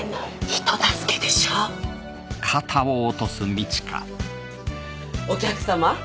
人助けでしょうお客さま